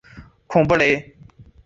孔布雷。